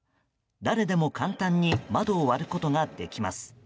誰でも簡単に窓を割ることができます。